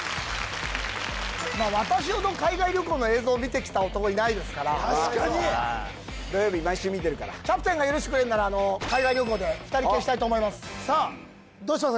まあ私ほど海外旅行の映像見てきた男いないですから確かに土曜日毎週見てるからキャプテンが許してくれるなら海外旅行でさあどうします？